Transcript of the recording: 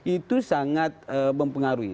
itu sangat mempengaruhi